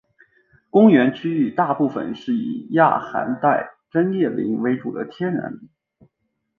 公园区域大部分是以亚寒带针叶林为主的天然林。